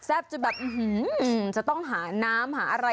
แซปจะแบบอื้อหือจะต้องหาน้ำต้องหาอะไร